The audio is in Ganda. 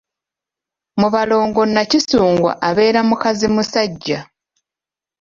Mu balongo Nakisungwa abeera mukazimusajja.